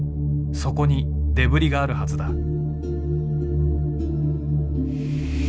そこにデブリがあるはずだ。